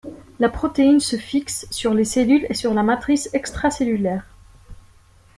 La protéine se fixe sur les cellules et sur la matrice extra-cellulaire.